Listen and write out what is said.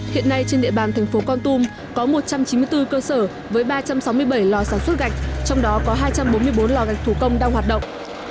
hiện nay trên địa bàn thành phố con tum có một trăm chín mươi bốn cơ sở với ba trăm sáu mươi bảy lò sản xuất gạch trong đó có hai trăm bốn mươi bốn lò gạch thủ công đang hoạt động